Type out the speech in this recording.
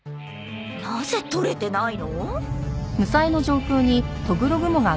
なぜ撮れてないの？